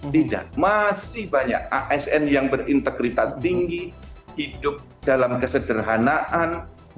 tidak masih banyak asn yang berintegritas tinggi hidup dalam kesederhanaan